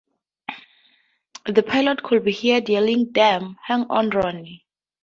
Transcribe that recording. The pilot could be heard yelling, Damn, hang on Ronnie!